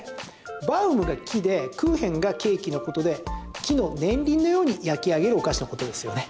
バウムが木でクーヘンがケーキのことで木の年輪のように焼き上げるお菓子のことですよね。